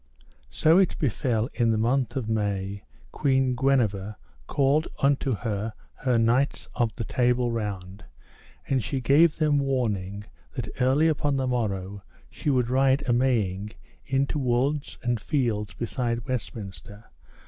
So it befell in the month of May, Queen Guenever called unto her knights of the Table Round; and she gave them warning that early upon the morrow she would ride a Maying into woods and fields beside Westminster.